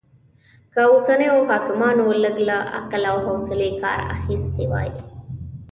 که اوسنيو حاکمانو لږ له عقل او حوصلې کار اخيستی وای